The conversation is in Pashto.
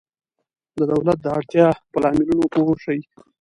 د دولت د اړتیا په لاملونو پوه شئ.